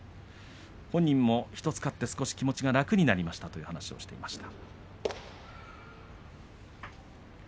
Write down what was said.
本人も１つ勝って少し気持ちが楽になりましたと話していました。